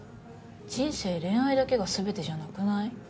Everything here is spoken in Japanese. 人生恋愛だけがすべてじゃなくない？